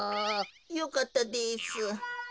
よかったです。